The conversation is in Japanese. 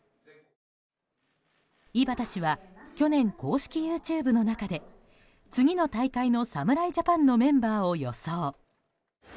井端氏は去年公式ＹｏｕＴｕｂｅの中で次の大会の侍ジャパンのメンバーを予想。